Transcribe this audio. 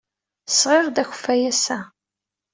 Sɣiɣ-d akeffay ass-a.